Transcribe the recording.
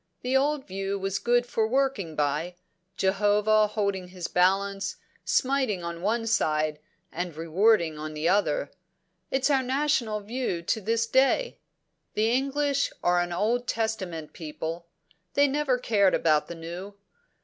The old view was good for working by Jehovah holding his balance, smiting on one side, and rewarding on the other. It's our national view to this day. The English are an Old Testament people; they never cared about the New.